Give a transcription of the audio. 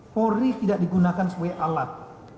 polri tidak digunakan sebagai alat